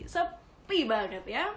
sepi banget ya